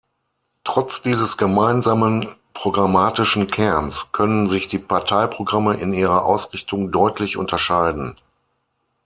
Trotz dieses gemeinsamen programmatischen Kerns können sich die Parteiprogramme in ihrer Ausrichtung deutlich unterscheiden.